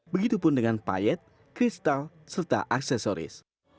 begitupun dengan payet kristal serta aksesoris